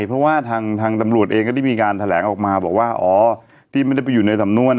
เพราะว่าทางตำรวจเองก็ได้มีการแถลงออกมาบอกว่าอ๋อที่ไม่ได้ไปอยู่ในสำนวน